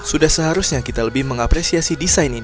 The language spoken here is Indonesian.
sudah seharusnya kita lebih mengapresiasi desain ini